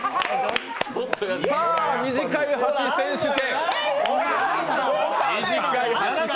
さあ、短い箸選手権！